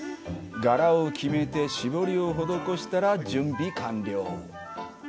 柄を決めて絞りを施したら準備完了。